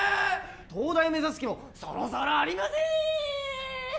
東大目指す気もさらさらありません